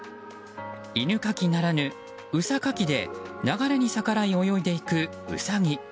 犬かきならぬウサかきで流れに逆らい泳いでいくウサギ。